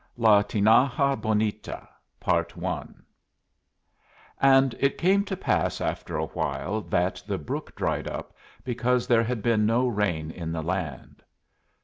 LA TINAJA BONITA "And it came to pass after a while that the brook dried up, because there had been no rain in the land."